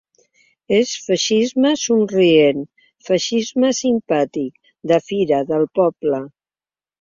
És feixisme somrient, feixisme simpàtic, de fira, del poble.